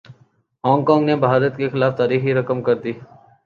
Hong Kong نے بھارت کے خلاف تاریخ رقم کردی